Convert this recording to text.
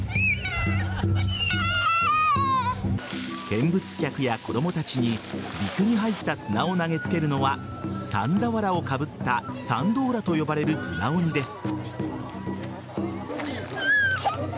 見物客や子供たちに魚籠に入った砂を投げつけるのは桟俵をかぶったサンドーラと呼ばれる砂鬼です。